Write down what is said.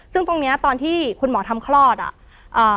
ซึ่งตรงเนี้ยตอนที่คุณหมอทำคลอดอ่ะ